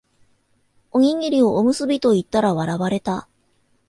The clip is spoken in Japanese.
おにぎりをおむすびと言ったら笑われた